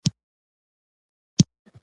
د کندهار مېوه خوږه ده .